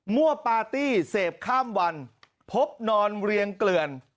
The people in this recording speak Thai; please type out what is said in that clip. วัวปาร์ตี้เสพข้ามวันพบนอนเรียงเกลือน